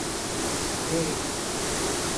ویہ